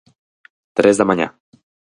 Tres da mañá.